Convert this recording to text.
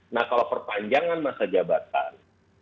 nah kalau perpanjangan masa jabatan